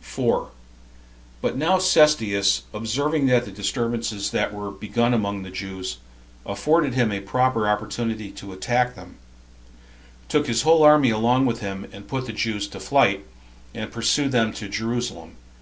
4. But now Cestius, observing that the disturbances that were begun among the Jews afforded him a proper opportunity to attack them, took his whole army along with him, and put the Jews to flight, and pursued them to Jerusalem.